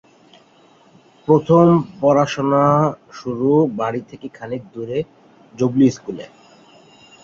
প্রথম পড়াশোনা শুরু বাড়ী থেকে খানিক দুরে জুবিলী স্কুলে।